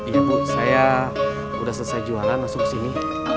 iya bu saya udah selesai jualan langsung kesini